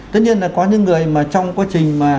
tất nhiên là có những người trong quá trình